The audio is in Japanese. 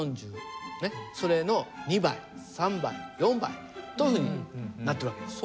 それの２倍３倍４倍というふうになってる訳です。